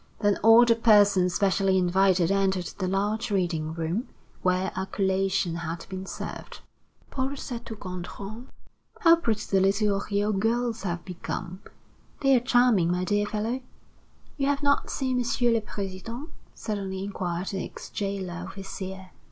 Then all the persons specially invited entered the large reading room, where a collation had been served. Paul said to Gontran: "How pretty the little Oriol girls have become!" "They are charming, my dear fellow." "You have not seen M. le President?" suddenly inquired the ex jailer overseer.